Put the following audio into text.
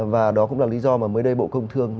và đó cũng là lý do mà mới đây bộ công thương